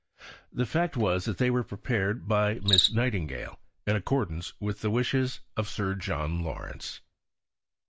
The fact was that they were prepared by Miss Nightingale in accordance with the wishes of Sir John Lawrence.